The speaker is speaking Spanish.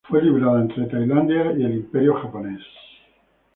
Fue librada entre Tailandia y el Imperio del Japón.